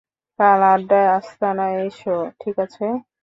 কাল আড্ডার আস্তানায় এসো, ঠিক আছে?